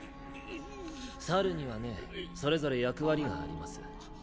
猿にはねそれぞれ役割があります。